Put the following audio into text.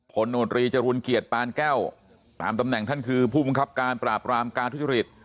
โนตรีจรุลเกียรติปานแก้วตามตำแหน่งท่านคือผู้บังคับการปราบรามการทุจริต